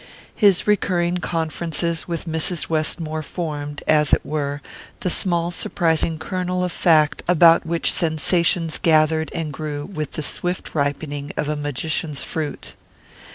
His recurring conferences with Mrs. Westmore formed, as it were, the small surprising kernel of fact about which sensations gathered and grew with the swift ripening of a magician's fruit.